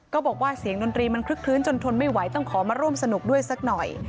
ก็บอกว่าเสียงดนตรีมันคลึกคลื้นจนทนไม่ไหวต้องขอมาร่วมสนุกด้วยสักหน่อย